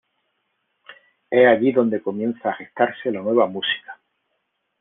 Es allí adonde comienza a gestarse la nueva música.